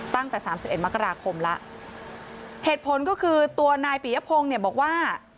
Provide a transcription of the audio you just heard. ตั้งแต่๓๑มกราคมแล้วเหตุผลก็คือตัวนายปิยพงศ์บอกว่า